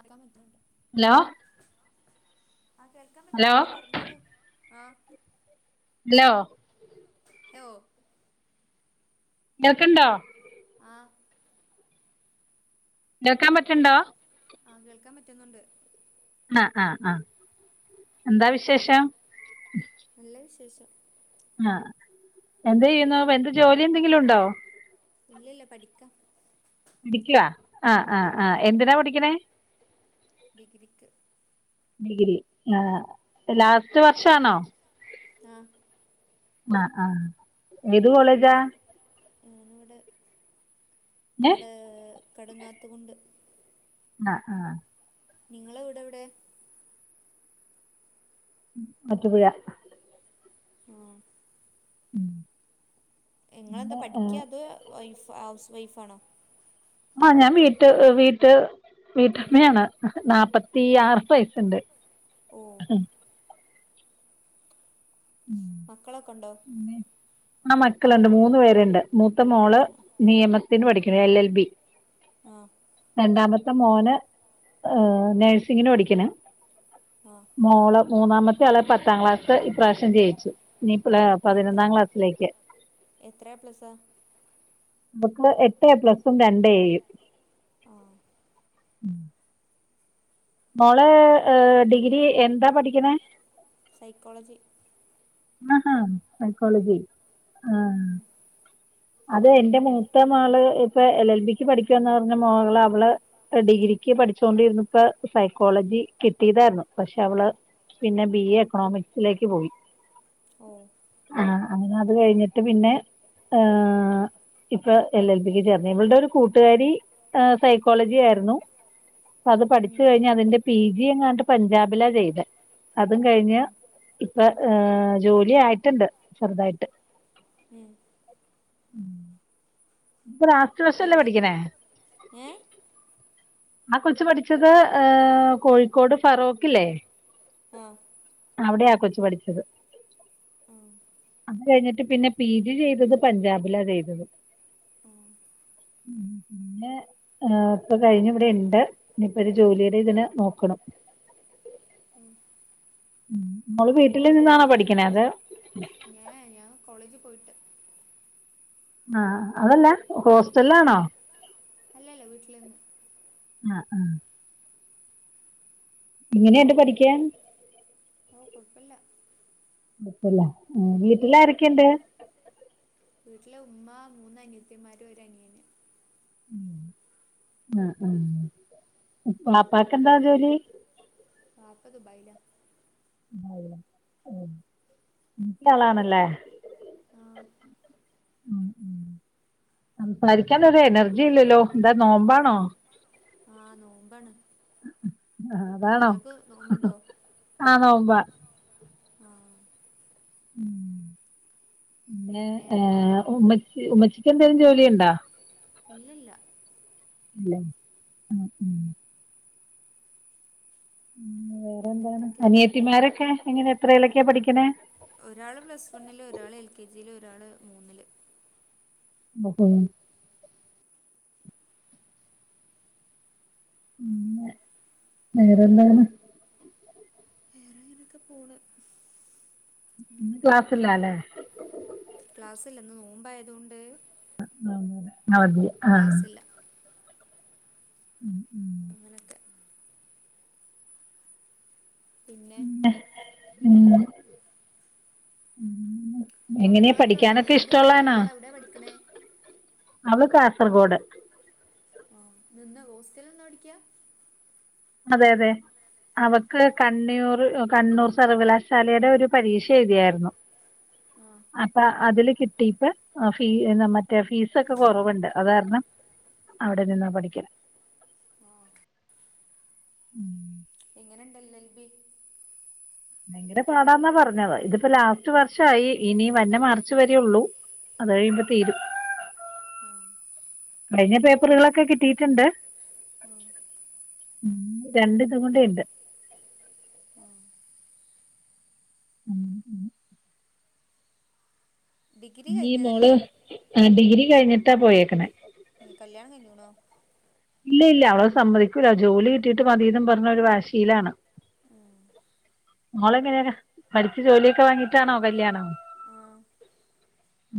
ആക്കാൻ പറ്റ്ണ്ല്ല അലോ ആ കേൾക്കാൻ പറ്റ്ന്ന്ണ്ട് പറഞ്ഞോളൂ ആ ഹലോ ഹലോ കേൾക്ക്ണ്ടോ ആ അ കേക്കാൻ കേൾ പറ്റ്ണ്ടോ ആ കേൾക്കാൻ പറ്റുന്നുണ്ട് ആ ആ ആഎന്താ വിശേഷം നല്ല വിശേഷം ആ എന്ത് യ്യുന്നോ എന്ത് ജോലി എന്തെങ്കിലും ഉണ്ടോ ഇല്ലല്ല പഠിക്കാ പിഠിക്കവാ ആ ആ ആ എന്തിനാ പഠിക്കണേ ഡിഗ്രിക്ക് ഡിഗ്രി ആ ലാസ്റ്റ് വർഷ ആണോ ആ ആ ആ ഏത് നി കോളേജാ ഞാനിവിടെ ഏഹ് ഇവിടെ കട്ങ്ങാത്ത് കുണ്ട് ആ ആ നിങ്ങളെ വീട് എവിടെ മുവാറ്റുപുഴ ആ ഉം നിങ്ങെന്താ പഠിക്ക അത് വൈഫ ഹൗസ് വൈഫാണോ ആ ഞാൻ വീട്ടമ്മയാണ് ഏ നപ്പാത്തിയാറ് വയ്സ്സ്ണ്ട് ഓ മക്കളൊക്കണ്ടോ പിന്നെ ആ മക്കളുണ്ട് മൂന്ന് പേരുണ്ട് മൂത്ത മോള് നിയമത്തിന് പഠിക്കുന്നു എൽ എൽ ബി ആ രണ്ടാമത്തെ മോന് നഴ്സിങ്ങിന് പഠിക്കിണ് ആ മോള് മൂന്നാമത്തെ അള് പത്താം ക്ലാസ് ഈപാവശ്യം ജയിച്ചു നീപ്പളെ എത്ര പതിനൊന്നാം ക്ലാസ്സിലേക്ക് എത്ര പ്ലസാ [unintelligible] എട്ട് എ പ്ലസും രണ്ട് എ യും ആ [inaudible] മോളെ ഏ ഡിഗ്രി എന്താ പഠിക്കണേ സൈക്കോളജി ആ ആ സൈക്കോളജി ആ [inaudible] അതേ എൻ്റെ മൂത്ത മോള് ഇപ്പൊ എൽ എൽ ബിക്ക് പഠിക്കുവന്ന് പറഞ്ഞ മോകള് അവള് ഡിഗ്രി- പഠിച്ചോണ്ടിരുന്നപ്പ സൈക്കോളജി കിട്ടിയതായിരുന്നു പക്ഷെ അവള് പിന്നെ ബി എ എക്കണോമിക്സിലേക്ക് പോയി ഓ ആ അങ്ങനെ അത് കഴിഞ്ഞിട്ട് പിന്നെ ആ ഇപ്പൊ എൽ എൽ ബിക്ക് ചേർന്നേ ഇവളുടെ ഒരു കൂട്ടുകാരി ആ സൈക്കോളജി ആയിരുന്നു അത് ഉം പഠിച്ചു കഴിഞ്ഞു അതിന്റെ പി ജി എങ്ങാട്ട് പഞ്ചാബിലാ ചെയ്ത അതും കഴിഞ്ഞ് ആ ഇപ്പ ആ ജോലി ആയിട്ടുണ്ട് ചെറുതായിട്ട് ഉം ഇപ്പോ ലാസ്റ്റ് വർഷം അല്ലെ എവിടെ പഠിക്കണേ ഏ ആ കൊച്ചു പഠിച്ചത് ഏ കോഴിക്കോട് ഫറോഖല്ലേ ആ അവിടെയാ ആ കൊച്ചു പഠിച്ചത് ആ അത് കഴിഞ്ഞിട്ട് പിന്നെ പി ജി ചെയ്തത് പഞ്ചാബിലാ ചെയ്തത് ഉം ഉം പിന്നെ ആ ഇപ്പൊ കഴിഞ്ഞ ഇവിടെ ഉണ്ട് ഇനിപ്പോ ഒരു ജോലിയുടെ ഇതിന് നോക്കണ് ഉം [inaudible] ഉം [inaudible] നിന്നാണോ ചോറൊക്കെ പഠിക്കണേ അത് കഴിച്ചു ഞാ ഞാൻ കോളേജ് പോയിട്ട് ആ അതല്ലേ ഹോസ്റ്റലാണോ അല്ലല്ല വീട്ടില് നിന്ന് ആ ഉം എങ്ങനെയുണ്ട് പഠിക്കാൻ ഓ കുഴപ്പില്ല കുഴപ്പമില്ല വീട്ടില് ആരൊക്കെയുണ്ട് വീട്ടില് ഉമ്മ മൂന്ന അനിയത്തിമാര് ഒ അനിയന് അ ആ ഉപ്പാപ്പായ്ക്ക് എന്താ ജോലി അക്ക ദുബായില [unintelligible] ആളാണല്ലേ ആ ഉം ഉം സംസാരിക്കൻ ഒരു എനർജി ഇല്ലല്ലോ എന്താ നോമ്പാണോ ആ നോമ്പാണ് ആ അതാണോ നിങ്ങൾക്ക് നോമ്പുണ്ടോ ആ നോമ്പാ ആ ഉം എ പിന്നെ ഏ ഉം ഉമ്മച്ചക്ക് എന്തെങ്കിലും ജോലി ഉണ്ടോ ഇല്ലില്ല ഇല്ലെ ഉം ഉം ഉം വേറെന്താണ് പിന്നെന്തൊക്കെ അനിയത്തിമാരെക്കെ എങ്ങനെ എത്രേലെക്കെയ പഠിക്കണേ ഒരാള് പ്ലസ് വണ്ണില് ഒരാള് എല് കെ ജിയില് ഒരാള് മൂന്നില് [unintelligible] ഉം പിന്നെ വേറെന്താണ് വേറെ അങ്ങനെക്കെ പോണ് ന്ന് ഉം ക്ലസ്സിലാല്ലേ ക്ലാസ്സില്ല ഇന്ന് നോമ്പായതുകൊണ്ട് അഹ് ഇന്നവതി ക്ലാസ്സില്ല ആഹ് ഉം ഉം അങ്ങനൊക്കെ പിന്നെ ഉം ഉം എങ്ങനെയാ മക്കളൊക്കെ എൽ പഠിക്കാനൊക്കെ എൽ ബിക്ക് ഇഷ്ടമുള്ളതാണോ പഠിക്കണാളെവിടെ പഠിക്കണേ അവള് കാസർഗോഡ് അതെന്ത ഹോസ്റ്റലി നിന്നു പഠിക്ക അതെ അതെ അവക്ക് ആഹ് കണ്ണിയൂർ കണ്ണൂർ സർവകലാശാലെടെ ഒരു പരീക്ഷ എഴുതിയാരുന്നു ആഹ് അപ്പൊ അതില് കിട്ടിപ്പ അഹ് ഫീ ന്ന മറ്റേ ഫീസക്കെ കൊറവുണ്ട് അതർണം അവിടെ നിന്നാ പഠിക്കണെ ഉം എങ്ങന്ണ്ട് എൽ എൽ ബി ഭയങ്കര പാടാന്നാ പറഞ്ഞത് ഇതിപ്പോ ലാസ്റ്റ് വർഷയി ഇനി വന്നമാർച്ച് വരെഉള്ളൂ അത് കയിമ്പ ആഹ് തീരും ആഹ് കഴിഞ്ഞ പെ കുറികളൊക്കെ കിട്ടിയിട്ടുണ്ട് ആഹ് രണ്ട് ദിവസംകൊണ്ട് ഇണ്ട് ആഹ് ഉം ഉം ഡിഗ്രി ഈമോള് കഴിഞ്ഞതല്ലേ ഡിഗ്രി കഴിഞ്ഞിട്ടാ പോയേക്കണെ കല്യാണം കയ്ഞ്ഞ്ക്കണോ ഇല്ല ഇല്ല അവള് സമ്മതിക്കൂല്ല ജോലി കിട്ടിയിട്ട് മതീന്നും പറഞ്ഞ് ഒരു വാശീയിലാണ് ഉം മോള്എങ്ങനെയാ പഠിച്ച് ജോലിയൊക്കെ വാങ്ങിട്ടാണോ കല്യാണം ആഹ്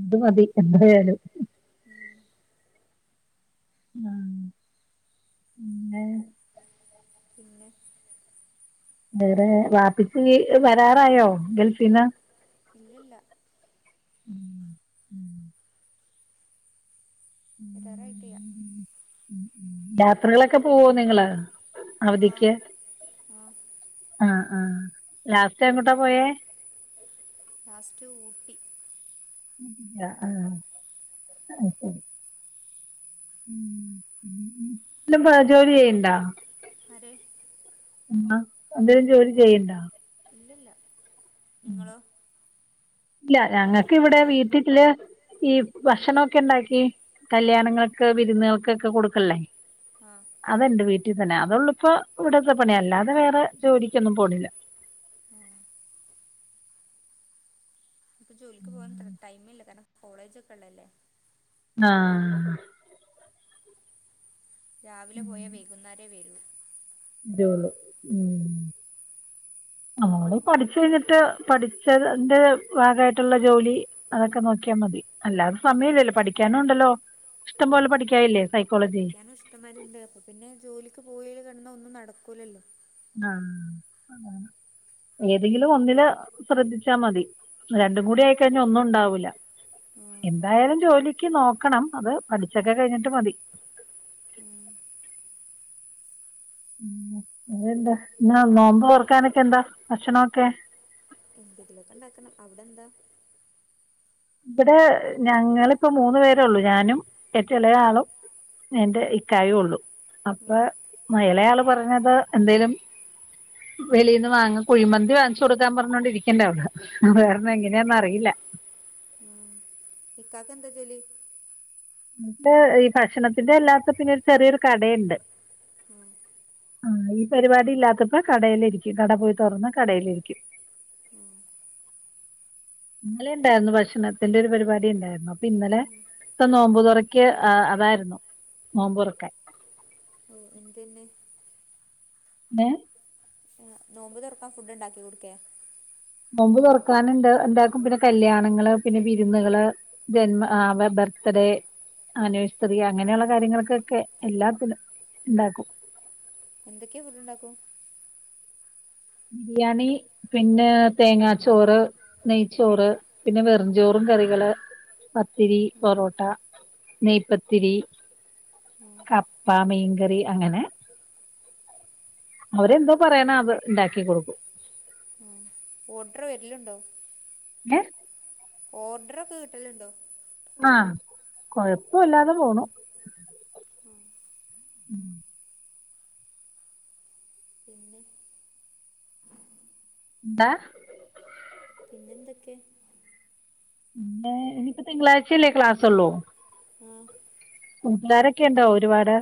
അത് മതി എത്ര ആയാലും ഉം ഉം പിന്നെ പിന്നെ വേറെ വാപ്പിച്ചി വരാറായോ ഗൾഫീന്ന് ഇല്ലില്ല ഉം ഉം വെരാറായിട്ടില്യ യാത്രകളൊക്കെ പോവോ നിങ്ങള് ആഹ് അവധിക്ക് ആഹ് ആഹ് ആ ലാസ്റ്റ് അങ്ങോട്ടാ പോയേ ലാസ്റ്റ് ഊട്ടി ഊട്ടിക്കാ ആഹ് അത് ശരി [unintelligible] ജോലി ചെയ്യണ്ടാ ആര് ആ അദ്ദേഹം ജോലി ചെയ്യണ്ണ്ടാ ഇല്ലില്ല ഇല്ല ഞങ്ങക്ക് ഇവിടെ വീട്ടില് ഈ ഭക്ഷണൊക്കെണ്ടാക്കി കല്യാണങ്ങൾക്ക് വിരുന്നുകൾക്കെക്കെ കൊടുക്കല്ലേ. ആ അതണ്ട് വീട്ടിൽ റ്റി തന്നെ അതള്ള ഇപ്പ ഇവിടത്തെ പണിയ അല്ലാതെ വേറെ ജോലിിക്കൊന്നും പോണില്ല ആഹ് ഇപ്പൊ ജോലിക്ക് പോകൻത്ര ടൈമി ല്ല കാരണം കോളേജ് ഒക്കെ ഉള്ളല്ലേ ആ രാവിലെ പോയ വൈകുന്നേരേ വരൂ ഇതേള്ളൂ ഉം നമ്മള് പഠിച്ചു കഴിഞ്ഞിട്ട് പഠിച്ചതിന്റെ ഭാഗമായിട്ടുള്ള ജോലി അതൊക്കെ നോക്കിയാൽ മതി അല്ലാതെ ഉം സമയമല്ലല്ലോ പഠിക്കാനൊ ണ്ടല്ലോ ഇഷ്ടംപോലെ പഠിക്കാനില്ലേ സൈക്കോളജി പഠിക്കാനും ഇഷ്ടമാരി ണ്ട് അപ്പൊ പിന്നെ ജോലിക്ക് പോയൽ കിണുന്ന ഒന്നും നടക്കൂലല്ലോ ആ ഏതെങ്കിലും ഒന്നില് ശ്രദ്ധിച്ചാ മതി രണ്ടും ഉം കൂടി ആയി കഴിഞ്ഞ ഒന്നും ഉണ്ടാവൂല്ല ഉം എന്തായാലും ജോലിക്ക് നോക്കണം അത് പഠിച്ചൊക്കെ കഴിഞ്ഞിട്ട് മതി [inaudible] അതന്താ എന്നാ നോമ്പ് തൊറ ക്കാനൊക്കെ എന്താ ഭക്ഷണൊക്കെ എന്തെങ്കിലുമൊക്കെ ഉണ്ടാക്കണം അവിടെന്താ ഇവിടെ ഞങ്ങളിപ്പോ മൂന്ന് പേരള്ളു ഞാനും ഏറ്റ എളയ ആളും എന്റെ ഇക്കായുള്ളൂ അപ്പ ഉം ഇളയ ആള് പറഞ്ഞത് എന്തേലും വെളീന്ന് വാങ്ങൻ കുഴിമന്തി വാങ്ങിച്ചു കൊടുക്കാൻ പറഞ്ഞോണ്ടിരിക്കുന്ന് അവിടെ വേറെന്ന എങ്ങനെയാന്ന റിയില്ല ഉം ഇിക്കാക്കക്ക് എന്താ ജോലി ത് ഈ ഭക്ഷണത്തിന്റെ അല്ലാത്ത പിന്നെ ഒരു ചെറിയൊരു കടയുണ്ട് ആ ആ ഈ പരിപാടി ഇല്ലാത്തപ്പോ കടേ ല് ഇരിക്കും കട പോയി തോറന്ന് കടേ ലി രിക്കും [inaudible] ഇന്നലെ ഉണ്ടായിരുന്നു ഭക്ഷണത്തിന്റെ ഒരു പരിപാടി ഉണ്ടായിരുന്നു ഇന്നലെ ഉം ഇപ്പ നോമ്പുതുറയ്ക്ക് അതായിരുന്നു നോമ്പുറക്കാൻ [unintelligible] ഏ നോമ്പ് തുറക്കാൻ ഫുഡ് ഉണ്ടാക്കി കൊടുക്കയായിരുന്നു നോമ്പ് തുറക്കൻ ഉണ്ട് എന്താക്കും പിന്നെ കല്യാണങ്ങള് പിന്നെ വിരുന്നുകള് ജന്മ ആ ബർത്ത് ബർത്ത്ഡേ ആണുവേഴ്സറി ചെറിയ അങ്ങനെയുള്ള ആഹ് കാര്യങ്ങൾക്കൊക്കെ എല്ലാത്തിനും ഉണ്ടാക്കും എന്തൊക്കെയാ ഫുഡുണ്ടാക്കൂ ബിരിയാണി പിന്നെ തേങ്ങാ ചോറ് ഉം നെയ്ച്ചോറ് പിന്നെ ഉം വെറുംചോറും കറികള് പത്തിരി ഉം പൊറോട്ട നെയ്പത്തിരി ഉം കപ്പ മീൻകറി അങ്ങനെ അവരെന്തോ പറയാനോ അത് ഉണ്ടാക്കി കൊടുക്കും ഉം ഓർഡർ ഏ ഓർഡർ ഒക്കെ കിട്ടലുണ്ടോ ആ കൊഴപ്പല്ലാതെ പോണു ഉം പിന്നെ എന്താ പിന്നെന്തൊക്കെ ഏ ഇനിപ്പ തിങ്കളാഴ്ചല്ലേ ക്ലാസ്സുള്ളൂ ആ വീട്ടിലാരൊക്കെ ഉണ്ട് ഒരുപാട്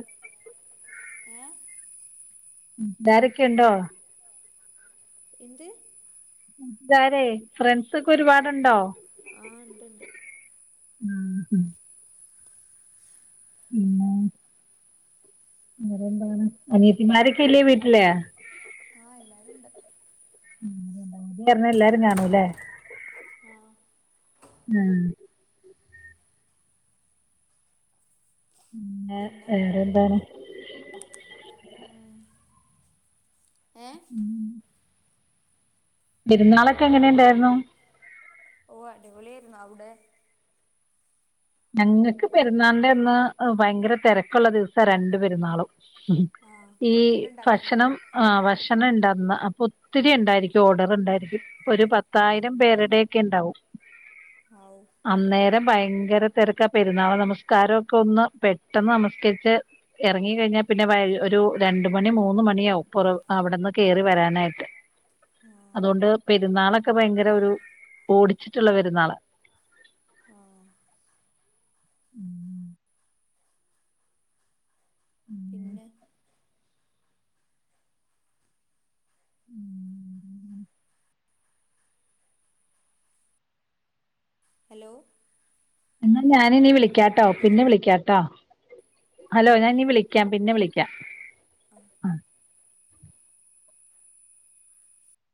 ഏ ആാരൊക്കെയുണ്ടോ - എന്ത് ള്ളേരേ ഫ്രണ്ട്സ് ഒക്കെ ഒരുപാടുണ്ടോ ആഹ് ഉണ്ട്ണ്ട് ഉം ഹ പിന്ന അങ്ങനന്താണ് അനിയത്തിമാരൊക്കെ ഇല്ലേ വീട്ടിലെ ആഹ എല്ലാരുംണ്ട് ഉം അവധി കാരണംഎല്ലാരും കാണൂല്ലേ ആ ഉം പിന്നെ വേറെന്താണ് ഉം ഏ ഉം പെരുന്നാളൊക്കെ എങ്ങനെയുണ്ടായിരുന്നു ഓ അടിപൊളിയായിുന്നോ അവിടെ ഞങ്ങക്ക് പെരുന്നാളിന്റെ അന്ന് ഭയങ്കര തിരക്കുള്ള ദിവസാ രണ്ട് പെരുന്നാളും ആ ഈ ഫുഡ് ഉണ്ടാക്കണേ ഭക്ഷണം ആ ഭക്ഷ ഭക്ഷണം ഉണ്ടന്ന അപ്പൊ ഒത്തിരി ഉണ്ടായിരിക്കും ഓർഡർ ഉണ്ടായിരിക്കും ഒരു പത്തായിരം പേരുടെക്കെ ഉണ്ടാവും ആവൂ ഉം അന്നേരം ഭയങ്കര ക്ക പെരുന്നാള നമസ്കാരം ഒക്കെ ഒന്ന് പെട്ടെന്ന് നമസ്കരിച്ച് ഇറങ്ങ കഴിഞ്ഞാൽ പിന്നെ ഒരു രണ്ട മണി മൂന്ന് മണിയാവും പുറവ അവിടെന്ന് കയറി വരാനായിട്ട് ആ അതുകൊണ്ട് പെരുന്നാള ക്ക ഭയങ്കര ഒരു ഓടിച്ചിട്ടുള്ള പെരുന്നാള ആഹ ഉം പിന്നെ ഉം ഹലോ എന്നാ ഞാനിനീ വിളിക്കാട്ടോ ഹലോ പിന്നെ വിളിക്കാട്ടോ ഹലോ ഞാൻ നീ വിളിക്കാം പിന്നെ വിളിക്കാം ആഹ